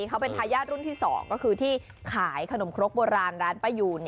เขาเป็นทายาทรุ่นที่๒ก็คือที่ขายขนมครกโบราณร้านป้ายูน